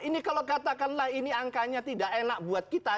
ini kalau katakanlah ini angkanya tidak enak buat kita